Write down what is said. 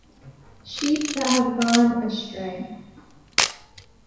Sheep that have gone astray.